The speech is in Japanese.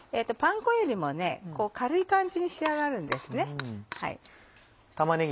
パン粉よりもね軽い感じに仕上がるんですね。